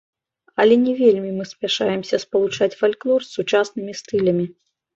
Але не вельмі мы спяшаемся спалучаць фальклор з сучаснымі стылямі.